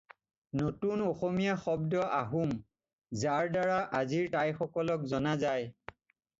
নতুন অসমীয়া শব্দ আহোম, যাৰ দ্বাৰা আজিৰ টাইসকলক জনা যায়।